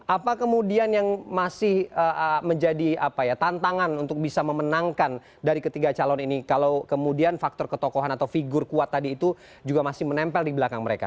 apa kemudian yang masih menjadi tantangan untuk bisa memenangkan dari ketiga calon ini kalau kemudian faktor ketokohan atau figur kuat tadi itu juga masih menempel di belakang mereka